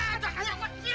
ajak kaya gue